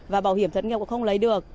và bảo hiểm thất nghiệp cũng không lấy được